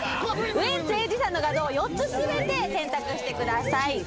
ウエンツ瑛士さんの画像を４つ全て選択してください。